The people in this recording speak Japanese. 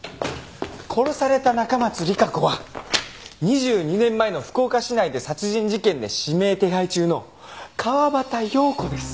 殺された中松里香子は２２年前の福岡市内で殺人事件で指名手配中の川端葉子です。